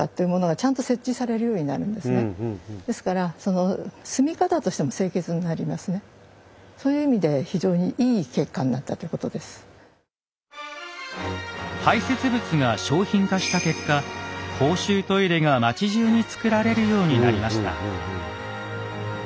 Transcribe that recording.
ですから排せつ物が商品化した結果公衆トイレが町じゅうにつくられるようになりました。